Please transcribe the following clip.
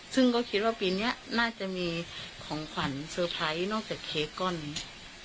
ซึ่งก็คิดว่าปีนี้น่าจะมีของขวัญเซอร์ไพรส์นอกจากเค้กก้อนนี้